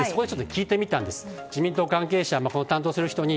聞いてみたんですけども自民党関係者、担当する人に。